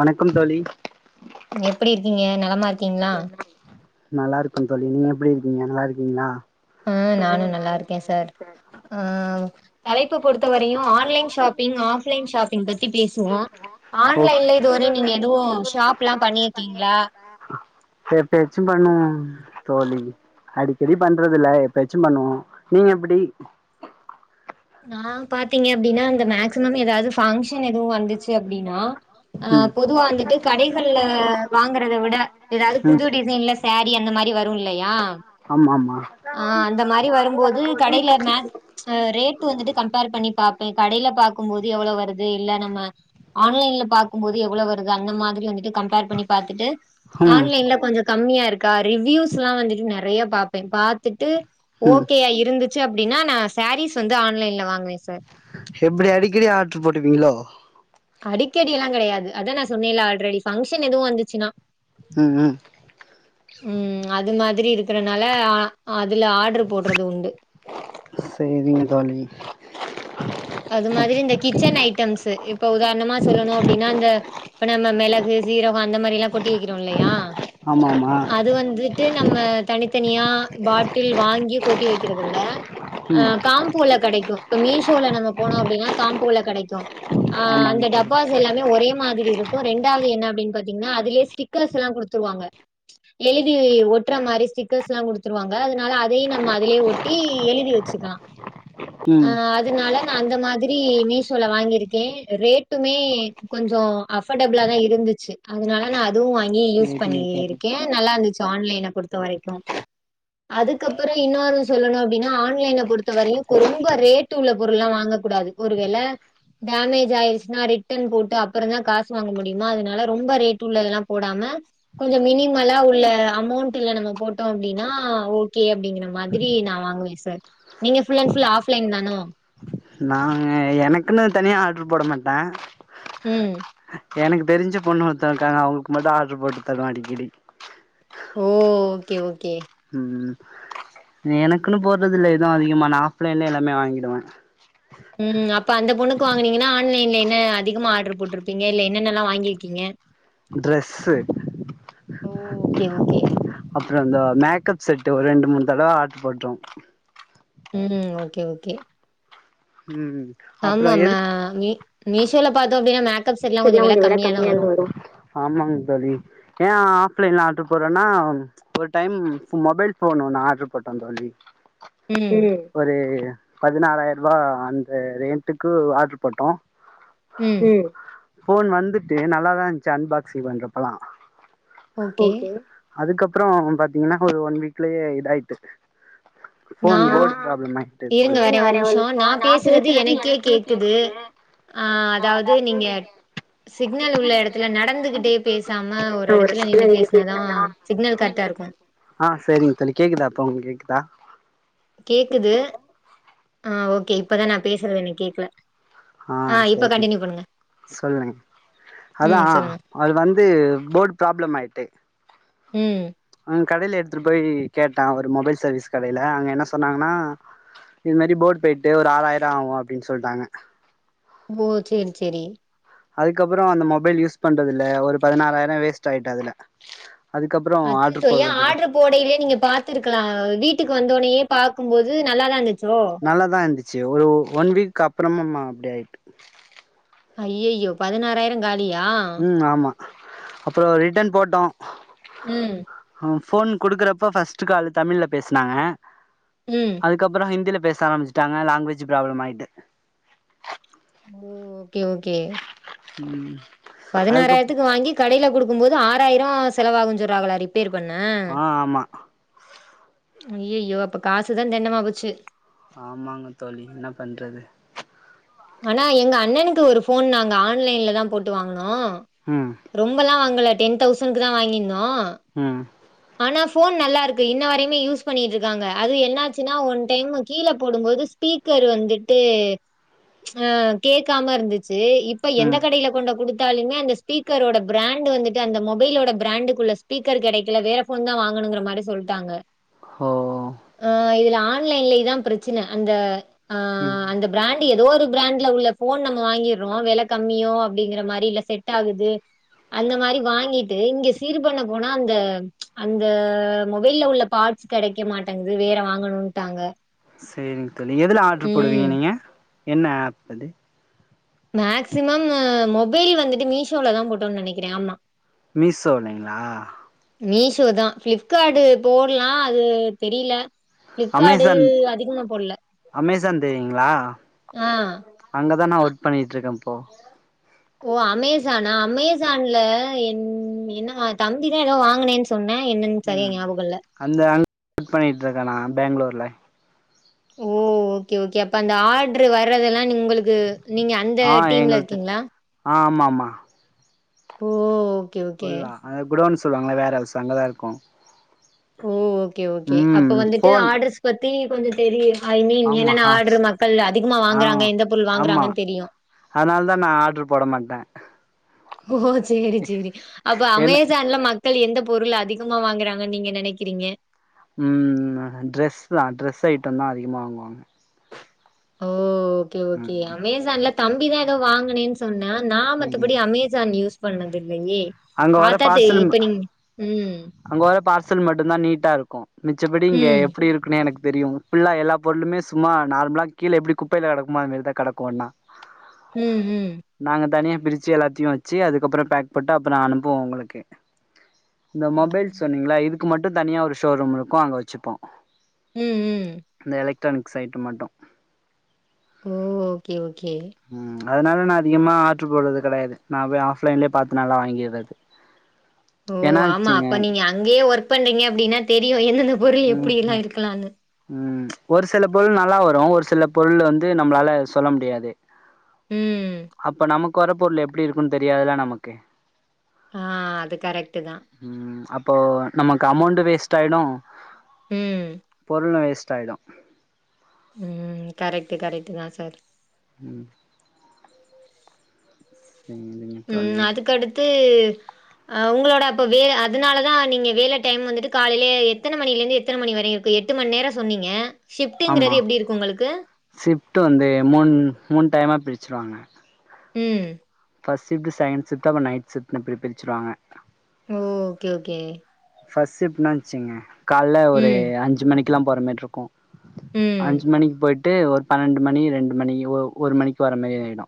வணக்கம் தோழி எப்டி இருக்கீங்க நலமார்க் நல்லாருக்கோந் தோழி நீங்க எப்டி இருக்கீங்க நல்லா இருக்கீங்ளா அ நானு நல்லா இருக்கே சார் ஆ தலைப்பு பொறுத்த வரையு online shopping offline shopping பத்தி பேசுவோ ஆன்லைன்ல இதுவரையு நீங்க எதுவு ஷாப்லா பண்ணிர் கீங்ளா எப்பயாச்சு பண்ணுவோ தோழி அடிக்கடி பண்றதில்ல எப்பயாச்சும் பண்ணுவோ நீங்க எப்டி நா பாத்தீங்க அப்டினா அந்த மேக்சிமம் எதாது ஃபங்க்ஷன் எதுவு வந்துச்சு அப்டினா அ அ ம் பொதுவாந்துட்டு கடைகள்ல வாங்கறத விட எதாது ம் புது டிசைன்லச் சாரீ அந்த மாரி வரு இல்லையா ஆமாமா ஆ அந்த மாரி வரும்போது கடைல மே அ ரேட்டு வந்துட்டு கம்பேர் பண்ணி பாப்பே கடைல பாக்கும்போது எவ்ளோ வருது இல்ல நம்ம ஆன்லைன்ல பாக்கும்போது எவ்ளோ வருது அந்த மாதிரி வந்துட்டு கம்பேர் பண்ணி பாத்துட்டு ம் ஆன்லைன்ல கொஞ்ச கம்மியா இருக்கா ரிவியூஸ்லா வந்துட்டு நெறைய பாப்பே பாத்துட்டு ம் ஓகேயா இருந்துச் சு அப்டினா நா சாரீஸ் வந்து ஆன்லைன்ல வாங்குவே சார் எப்டி அடிக்கடி ஆட்ரு போட்டுபீங்ளோ அடிக்கடி எல்லாங் கெடையாது அதா நா சொன்னேல ஆல்ரெடி ஃபங்க்ஷன் எதுவு வந்துச்சுனா ம் ம் ம் அது மாதிரி இருக்கறனால அ அதுல ஆர்டர் போட்றது உண்டு செரிங்க நீங்க தோழி அது மாதிரி இந்த கிச்சன் ஐட்டம்ஸூ இப்ப உதார்ணமா சொல்லனு அப்டினா அந்த இப்ப நம்ம மெளகு சீரகோ அந்த மாரிலாங் கொட்டி வெகிறோ இல்லையா ஆமா ஆமா அது வந்து ட்டு நம்ம தனித்தனியா பாட்டில் வாங்கி கொட்டி வெக்கிறத விட அ ம் காம்போல கெடைக்கு இப்ப மீஷோல நம்ம போனோ அப்டினா காம்போல கெடைக்கு ஆ ஆமாங்க அந்த தோழி டப்பாஸ் எல்லாமே ஒரே மாதிரி இருக்கோ ரெண்டாவது என்ன அப்டின் பாத்தீங்னா அதுலே ஸ்டிக்கர்ஸ்லாங் குடுத்துருவாங்க எழுதி ஒட்ற மாரி ஸ்டிக்கர்ஸ்லா குடுத்துருவாங்க அதனால அதையும் நம்ம அதிலே ஒட்டி எழுதி வச்சுக்கலா ம் துனால நா அந்த மாதிரி மீசோல வாங்கிருக்கே ரேட்டுமே கொஞ்சோ அஃபர்டபிளாதா இருந்துச்சு அதனால நா அதுவு வாங்கி யூஸ் சேரிங்க தோழி பண்ணியிருக்கே நல்லாந்துச்சு ஆன்லைன பொறுத்த வரைக்கு அதுக்கப்பறோ இன்னொரு சொல்லணு அப்டினா ஆன்லைனப் பொறுத்த வரையு கொரொம்ப ரேட்டு உள்ளப் பொருள்லா வாங்கக் கூடாது ஒரு வேள டேமேஜ் ஆயிச்னா ரிட்டன் போட்டு அப்பறந்தா காசு வாங்க முடியுமா அதனால ரொம்ப ரேட் உள்ளதெலாம் போடாம கொஞ்சோ மினிமலா உள்ள அமௌண்ட்டுல நம்ம போட்டோ அப்டினா ஓகே அப்டிங்கிற மாத் திரி நா வாங்குவே சார், நீங்க ஃபுல் அன்ட் ஃபுல் ஆஃப்லைன் தானோ நாங்க எனக்குனு தனியா ஆடர்ரு போட மாட்டே ம். எனக்கு தெரிஞ்ச பொண்ணு ஒருத்த இருக்காங்க அவங்களுக்கு மட்டு ஆடர்ரு போட்டு தருவே அடிக்கடி ஓ, ஓகே ஓகே, ம், எனக்குனு போட்றது இல்ல எதும் அதிகமா நா ஆஃப்லைன்லயே எல்லாமே வாங்கிடுவே ம், அப்ப அந்த பொண்ணுக்கு வாங்குனீங்கன்னா ஆன்லைன்ல என்ன அதிகமா ஆர்டர் போட்ருப்பீங்க இல்ல என்னென்னல்லா வாங்கியிருக்கீங்க டிரஸ்ஸு ஓ ஓகே ஓகே அப்பறோ இந்த மேக்கப் செட்டு ஒரு ரெண்டு மூணு தடவ ஆர்டர் போட்டோ ம், ஓகே ஓகே, ம் அப்புறோ ஆமா ம எதுக் மீ மீஷோல பாத்தோமஅப்டின்னா மேக் செட்லா கொஞ்சோ வெல கம்மியாதா வரு, ஏ ஆஃப்லைன்ல ஆர்டர் போட்றேன்னா ஒரு டைம் மொபைல் ஃபோன் ஒன்னு ஆர்டர் போட்ட தோழி, ம் ஒரு பதினாறாயிர ரூவா அந்த ரேட்டுக்கு ஆர்டர் போட்டோ ம் ஃபோன் வந்துட்டு நல்லாதா இருந்துச்சு அன்பாக்ஸிங் பண்றப்பல்லா ஓகே அதுக்கப்பறோ பாத்தீங்னா ஒரு ஒன் வீக்லயே இதாயிட்டு நா ஃபோன் போர்ட் ப்ராப்ளம் ஆயிட்டு இருங்க தோழி, வரே ஒரு நிமிஷோ நா பேசுறது எனக்கே கேக்குது ஆ அதாவது நீங்க சிக்னல் உள்ள எடத்துல நடந்துகிட்டே பேசாம ஒரு எடத்துல நின்னு பேசினாதா சிக்னல் கரெக்டா இருக்கு ஆ செரிங் தோழி, கேக்குதா இப்ப உங்களுக்கு கேக்குதா கேக்குது, ஆ ஓகே இப்பதா நா பேசுறது எனக்கு கேக்கல ஆ இப்ப கன்டினியூ பண்ணுங்க சொல்றே, அதா ம் சொல்லுங்க. அது வந்து போர்டு ப்ராப்ளம் ஆயிட்டு ம் அங்க கடையில எடுத்துட்டு போய் கேட்டா ஒரு மொபைல் சர்வீஸ் கடையில அங்க என்ன சொன்னாங்கனா இதுமேரி போர்ட் போயிட்டு ஒரு ஆறாயிர ஆவு அப்டின்னு சொல்ட்டாங்க ஓ சேரி சேரி அதுக்கப்பறோ அந்த மொபைல் யூஸ் பண்றது இல்ல ஒரு பதினாறாயிர வேஸ்ட் ஆயிட்டு அதுல அதுக்கப்பறோ ஆர்டர் போட்றது இல்ல போடயிலயே நீங்க பாத்துருக்கலா வீட்டுக்கு வந்தோனயே பாக்கும்போது நல்லாதா இருந்துச்சோ நல்லாதா இருந்துச்சு ஒரு ஒன் வீக் அப்புறமுமா அப்டி ஆயிட்டு ஐய்யய்யோ பதினாறாயிர காலியா ம், ஆமா, அப்றோ ரிட்டன் போட்டோ ம் அவங்க ஃபோன் குடுக்கறப்ப ஃபர்ஸ்ட்டு கால் தமிழ்ல பேசுனாங்க ம் அதுக்கப்பறோ ஹிந்தில பேச ஆரம்பிச்சிட்டாங்க லாங்குவேஜ் ப்ராப்ளம் ஆயிட்டு ஓ ஓகே ஓகே ம் அதுக்கப் பதினாறாயிரத்துக்கு வாங்கி கடையில குடுக்கும்போது ஆறாயிரம் செலவாகுனு சொல்றாகளா ரிப்பேர் பண்ண ஆ ஆமா ஐய்யய்யோ அப்ப காசுதா தெண்டமா போச்சு ஆமாங்க தோழி, என்ன பண்றது ஆனா எங்க அண்ணனுக்கு ஒரு ஃபோன் நாங்க ஆன்லைன்ல தா போட்டு வாங்குனோ ம் ரொம்பலா வாங்கல டென் தௌசண்ட்க்கு தா வாங்கிருந்தோ ம் ஆனா ஃபோன் நல்லாருக்கு இன்ன வரையுமே யூஸ் பண்ணிகிட் இருக்காங்க அது என்னாச்சுனா ஒன் டைம் கீழ போடும்போது ஸ்பீக்கர் வந்துட்டு ஆ கேக்காம இருந்துச்சு இப்ப எந்த ம் கடைல கொண்டு குடுத்தாலுமே அந்த ஸ்பீக்கரோட பிராண்டு வந்துட்டு அந்த மொபைலோட பிராண்டுக்குள்ள ஸ்பீக்கர் கெடைக்கல வேற ஃபோன் தா வாங்கனுங்குற மாரி சொல்ட்டாங்க ஓ ஆ இதுல ஆன்லைன்ல இதா பிரச்சன அந்த ம் பிராண்ட்டு எதோ ஒரு பிராண்ட்ல உள்ள ஃபோன் நம்ம வாங்கிட்றோ வெல கம்மியோ அப்டிங்கற மாரி இல்ல செட் ஆகுது அந்த மாரி வாங்கிட்டு இங்க சீர் பண்ண போனா அந்த அந்த மொபைல்ல உள்ள பாட் ஸ் கெடைக்க மாட்டேங்குது வேற வாங்கணுன்ட்டாங்க செரிங் தோழி எதுல ஆர்டரு போடுவீங்க ம் நீங்க என்ன ஆப் அது மேக்சிமம் மொபைல் வந்துட்டு மீஷோல தா போட்டோன் நெனைக்குற ஆமா மீஷோலைங்ளா மீஷோ தா ஃப்ளிப்கார்டு போட்லா அது தெரில ஃப்ளிப்கார்டு அமேசான் அதிகமா போடல அமேசான் தெரியுங்ளா ஆ அங்க தா நா ஒர்க் பண்ணிட்டு இருக்க இப்போ ஓ அமேசானா அமேசான்ல என் என்னவா தம்பி தா எதோ வாங்குனேன் சொ ன்னா என்னன் சரியா ம் ஞாபகோ இல்ல அந்த அங் பண்ணிட்டு இருக்கான நா பெங்களூர்ல ஓ ஓகே ஓகே அப்ப அந்த ஆர்டரு வர்றதெல்லா நீங் உங்களுக்கு நீங்க அந்த ஆ டீம்ல எங்களுக்கு இருக்கீங்களா ஆ ஆமா மா ஓ ஓகே ஓகே ஃபுல்லா அது குடோன்னு சொல்லுவாங்கள வேர்ஹவுஸ் அங்க தா இருக்கோ ஓ ஓகே ஓகே ம் அப்ப வந்துட்டு ஃபோன் ஆர்ட்ரஸ் பத்தி கொஞ்சோ தெரியு ஐ மீன் ஆமா என்னென்ன ஹாஸ் ஆர்டரு மக்கள் அதிகமா ஆ வாங்குறாங்க எந்த பொருள் ஆமா வாங்குறாங்கன் தெரியு அதனால தா நா ஆர்டரு போட மாட்ட ஓ சேரி சேரி அப்ப அமே என்ன சான்ல மக்கள் எந்த பொருள் அதிகமா வாங்குறாங்கன் நீங்க நெனைக்குறீங்க ம் ட்ரெஸ் தா ட்ரெஸ் ஐட்டம் தா அதிகமா வாங்குவாங்க ஓ ஓகே ஓகே ம் அமேசான்ல தம்பி தா எதோ வாங்குனேன் சொன்னா நா மத்தபடி ம் அமேசான் யூஸ் பண்ணதில்லயே அங்க வர பாத்தா தெரியு பார்சல் இப்ப நீங்க ம் அங்க உள்ள பார்சல் மட்டு தா நீட்டா இருக்கு மிச்சப்படி இங்க ம். எப்டி இருக்குனே எனக் தெரியு ஃபுல்லா எல்லா பொருளுமே சும்மா நார்மலா கீழ எப்டி குப்பைல கெடக்குமா அது மாரிதா கெடக்கு ஒன்னா ம். ம். நாங்க தனியா பிரிச்சு எல்லாத்தையு வெச்சு அதுக்கப்றோ பேக் போட்டு அப்பறோ அனுப்புவோ உங்களுக்கு இந்த மொபைல் சொன்னீங்கள இதுக்கு மட்டு தனியா ஒரு ஷோரூம் இருக்கு அங்க வச்சுப்போ ம். ம். இந்த எலெக்ட்ரானிக்ஸ் ஐட்டம் மட்டு ஓ ஓகே ஓகே ம் அதனால நா அதிகமா ஆர்டரு போட்றது கெடையாது நா போய் ஆஃப்லைன்லயே பாத்து நல்லா வாங்கிர்றது ஓ ஆம்மா ஏன்னாச்சுங்க அப்ப நீங்க அங்கே ஒருக் பண்றீங்க அப்டின்ன தெரியு எந்தெந்தப் ம்ஹி ம் ஒரு சில பொருள் நல்லா வரு ஒரு சில பொருள் அந்து நம்ப்ளால சொல்ல முடியாது ம். அப்ப நமக் வர பொருள் எப்டி இருக்குன் தெரியதுலா நமக்கு ஆ அது கரெக்டு தா ம் அப்போ நமக்கு அமௌண்ட் வேஸ்ட்டாய்டு ம். பொருளு வேஸ்ட்டாய்டு ம் கரெக்ட்டு கரெக்ட்டு தா சர் ம் சய்யுன் ம் அதுக்கடுத்து அ உங்களோட அப்போ வே அதனால தா நீங்க வேல டைம் வந்துட்டு காலைலே எத்தன மணிலேந்து எத்தன மணி வரையுர் ப்ப எட்டு மண் நேர சொன்னீங்க ஷிப்டுங்கிறது எப்டி இருக்கு உங்களுக்கு ஷிஃப்ட்டு வந்து மூண் மூண் டைமா பிரிச்ருவாங்க ம் ஃபஸ் ஷிப்ட் செகண் ஷிப்ட் அப்புற நைட் ஷிப்ட் அப்டி பிரிச்சுருவாங்க ஓ க்கே ஓக்கே ஃபஸ் ஷிப் நா வச்சிங்க கால்ல ஒரு ம். அஞ்சு மணிக்கெல்லாம் போற மேர் ருக்கு ம். அஞ்சு மணிக்கு பொய்ட்டு ஒரு பன்னெண்டு மணி ரெண்டு மணிஒ ஒரு மணிக்கு வர மேரி ஆய்டு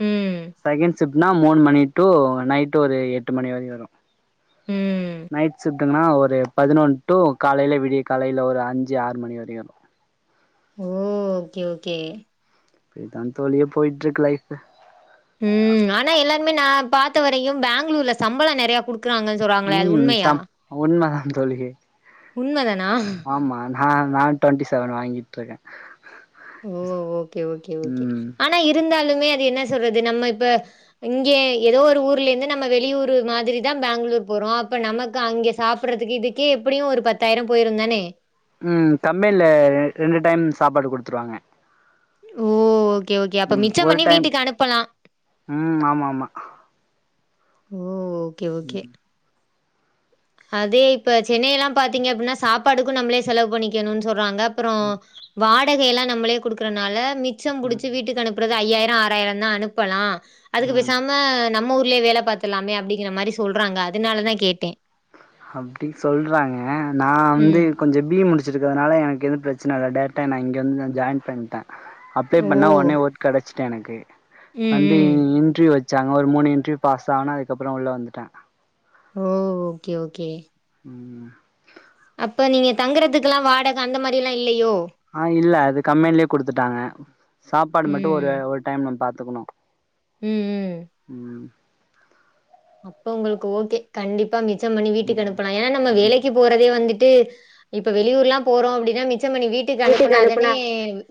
ம் சகண்ட் ஷிப்னா மூண் மணி டூ நைட்டு ஒரு எட்டு மணி வரி வரு ம். நைட் ஷிப்டுங்கன்னா ஒரு பதினொன் டூ காலைலே விடிய காலைல ஒரு அஞ்சு ஆறு மணி வரி வரு ஓ ஓக்கே ஓக்கே ப்பி தான் தோழியே போய்ட்டுருக்கு லைஃபு ம் ஆனா எல்லார்மே நா பாத்த வரையும் பேங்களூர்ல சம்பளொ நெறைய குடுக்குறாங்க ம் சம் உண்மதா தோழியே உண்ம தனா ஆம்மா நான் நா டொன்டி செவன் வாங்கிட்ருக்க ஓ ஓக்கே ஓக்கே ஓக்கே ஆனா இருந்தாலுமே அது என்ன சொல்றது நம்ம ப்ப இங்கே எதோ ஒரு ஊர்லேந்து நம்ம வெளியூரு மாதிரிதா பேங்களூர் போறோ அப்ப நம்மக்கு அங்கே சாப்பிட்றதுக்கு இதுக்கெ எப்புடியு ஒரு பத்தாயிர பொய்ருந்தானே ம் கம்பெனில ரெண்டு டைம் சாப்பாடு குடுத்துருவாங்க ஓ ஒக்கே ஓக்கே அப்ப ம் மிச்சம் ஒரு பண்ணி டைம் வீட்டுக்கு அனுப்பலா ம் ஆமா ஆமா ஓக்கே ஓக்கே ம் அதே இப்ப சென்னைய எல்லா பாத்தீங்க அப்படின்னா சாப்பாடுக்கூ நம்ளே செலவு பண்ணிக்கணுன் சொல்றாங்க அப்பற ம் வாடகை எல்லா நம்மளே குடுக்கறனால மிச்சம் புடிச்சி ம் வீட்டுக் அனுப் ப்புறது ஐயாயிர ஆறாயிரந்தா அனுப்பலா அதுக்கு ம் பெசாம நம்ம ஊர்லே வேலை பாத்துலாமே அப்டிங்கிற மாரி சொல்றாங்க அதனாலதா கேட்டே அப்டி சொல்றாங்க நா அந்து ம். கொஞ்சோ பி இ முடிச்சுருக்கனால எனக்கு எத பிரச்சனை இல்ல டேரெக்டாக என்ன இங்க வந்து நான் ஜாயின் பண்ணிட்ட அப்ள ஓ! பண்ண ஒன்னே ஓட் கிடச்சட்ட எனக்கு ம், வந்து ம். இன்ட்ர்வியூவ சச்சாங்க ஒரு மூணு இன்டீர்வூ பாஸ் ஆன அதுக்கப்பற உள்ள வந்துட்ட ஓ ஓக்கே ஓக்கே ம் அப்ப நீங்க தங்குறதுக்குல்லா வாடக அந்த மாரி எல்லா இல்லையோ ஆ இல்ல அது கம்பேனிலேயே குடுத்துட்டாங்க சாப்பாடு மட்டு ஒரு ம். ஒரு டைம் நம் பாத்துக்குணு ம், ம். ம் அப்ப உங்களுக்கு ஓகே கண்டிப்பா மிச்சம் பண்ணி வீட்டுக்கு ம் அனுப்பலா ஏன்னா நம்ம ம் வேலைக்கி போறதே வந்துட் ட்டு இப்ப வெளியூர்ல்லா போறோ அப்டின்னா மிச்சம்பன்னி வீட்டுக்கு அனுப்புனாதானே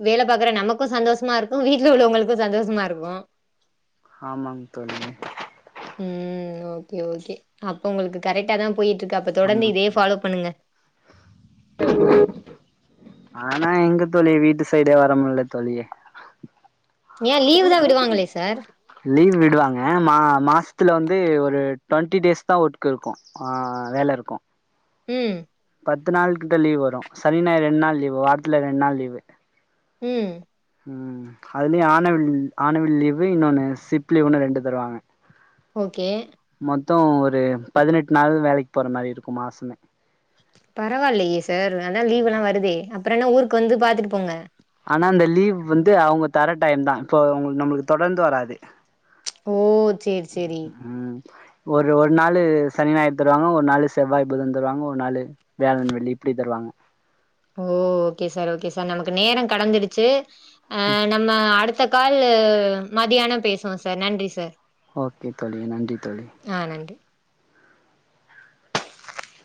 வேல பாக்குற நமக்கூ சந்தோஷமா இருக்கூ வீட்ல உள்ளவங்களுக்கூ சந்தோஷமா இருக்கூ ஆமாங் தோழி ம் ஓகே ஓகே அப்ப உங்களுக்கு கரெக்டா தா போயிட்ருக்கு அப் ஆமாங் தோழி ஆனா எங்க தோழி வீட்டு சைடே வரமுல்ல தோழி ஏ லீவு தா விடுவாங்களே சார் லீவ் விடுவாங்க மா மாசத்துல வந்து ஒரு ட்வொண்ட்டி டேஸ் தா ஒர்க் இருக்கூ ஆ வேல இருக்கூ ம் பத்து நாள் கிட்ட லீவ் வரு சனி நாயர் ரெண்ட் நாள் லீவு வாரத்துல ரெண்ட் நாள் லீவு ம் ம் அதுலயு ஆணவல் ஆணவல் லீவு இன்னொன்னு சிப் லீவுன்னு ரெண்டு தருவாங்க ஓகே மொத்தொ ஒரு பதினெட்டு நாள் வேலைக்கி போற மாரி இருக்கூ மாசமே பரவால்லையே சார் அதா லீவ் எல்லா வருதே அப்புறொ என்ன ஊருக்கு வந்து பாத்துட்டு போங்க ஆனா அந்த லீவ் வந்து அவுங்க தர டைம் தா இப்போ உங்குளு நம்மளுக்கு தொடர்ந்து வராது ஓ சேரி சேரி ம் ஒரு ஒரு நாளு சனி நாயர் தருவாங்க ஒரு நாளு செவ்வாய் புதன் தருவாங்க ஒரு நாளு வியாழன் வெள்ளி இப்டி தருவாங்க ஓ ஓகே சார் ஓகே சார் நமக்கு நேரங் கடந்துடுச்சு ஆ நம் ம் ம அடுத்த காலு மதியானம் பேசுவோ சார் நன்றி சார் ஓகே தோழி நன்றி தோழி ஆ நன்றி